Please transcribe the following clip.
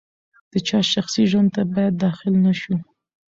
د چا شخصي ژوند ته باید داخل نه شو.